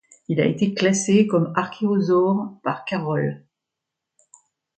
Il a été classé comme archégosaure par Carroll.